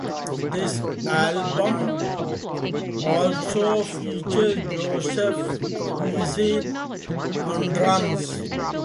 The album also features Josh Freese on drums.